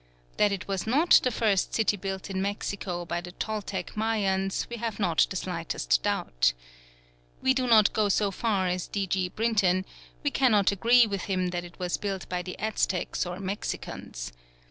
That it was not the first city built in Mexico by the Toltec Mayans we have not the slightest doubt. We do not go so far as D. G. Brinton: we cannot agree with him that it was built by the Aztecs or Mexicans.